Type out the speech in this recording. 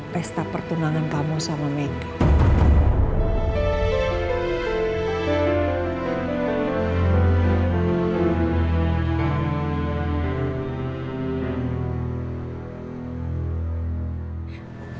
pesta pertunangan kamu sama maggie